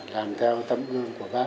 làm theo tấm gương của bác